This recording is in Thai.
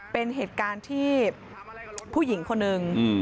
เป็นเหตุการณ์ที่ผู้หญิงคนหนึ่ง